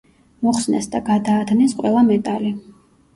მოხსნეს და გადაადნეს ყველა მეტალი.